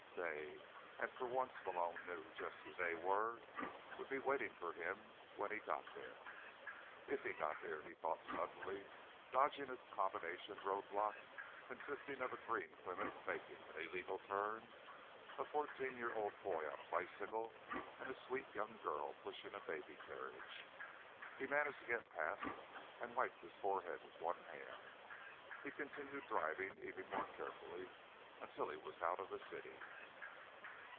They—and, for once, Malone knew just who "they" were—would still be waiting for him when he got there. If he got there, he thought suddenly, dodging a combination roadblock consisting of a green Plymouth making an illegal turn, a fourteen year old boy on a bicycle and a sweet young girl pushing a baby carriage. He managed to get past and wiped his forehead with one hand. He continued driving, even more carefully, until he was out of the city.